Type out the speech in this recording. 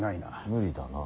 無理だな。